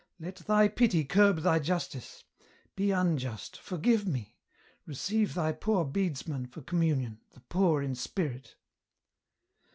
Let Thy pity curb Thy justice ; be unjust, forgive me ; receive Thy poor bedesman for communion, the poor in spirit